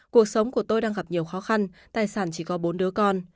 cuộc sống của tôi đang gặp nhiều khó khăn tài sản chỉ có bốn đứa con